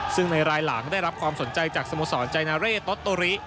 ซึ่งในรายหลังได้รับความสนใจจากสโมสรใจนาเร่โต๊ะโตริ